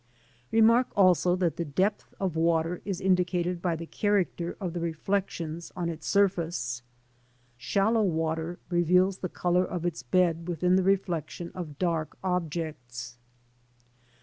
Remark also that the depth of water is indicated by the character of the reflections on its surface. Shallow water reveals the colour of its bed within the reflection of .dark objects.